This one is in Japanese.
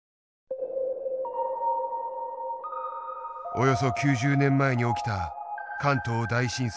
およそ９０年前に起きた関東大震災。